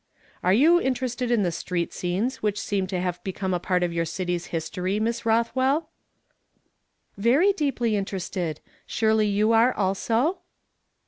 " Are you interested in the street scenes which seem to have become a part of your city's history, Miss Kothwell ?"^' Very deeply interested ; surely you are also